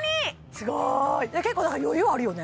すごい結構余裕あるよね？